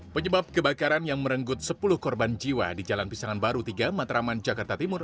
penyebab kebakaran yang merenggut sepuluh korban jiwa di jalan pisangan baru tiga matraman jakarta timur